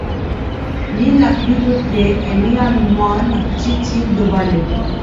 L'ile la plus peuplé est néanmoins la petite ile de Balai.